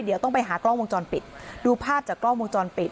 เดี๋ยวต้องไปหากล้องวงจรปิดดูภาพจากกล้องวงจรปิด